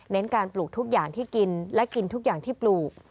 การปลูกทุกอย่างที่กินและกินทุกอย่างที่ปลูก